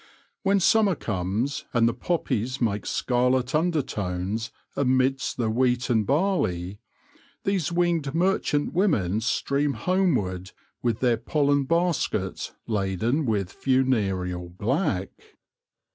When summer comes, and the poppies make scarlet undertones amidst the wheat and barley, these winged merchant women stream homeward with their pollen baskets laden with funereal black.